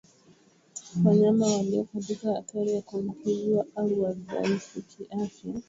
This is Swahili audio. Wanyama walio katika hatari ya kuambukizwa au wadhaifu kiafya humeza bakteria wanaosababisha ugonjwa